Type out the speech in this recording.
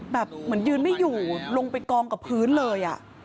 แบบเหมือนยืนไม่อยู่ลงไปกองกับพื้นเลย